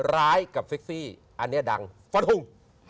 ร้ายซีเซ็กซี่อันนี้ดังฝนทุ่ม